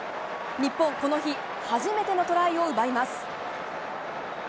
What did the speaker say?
日本、この日初めてのトライを奪います。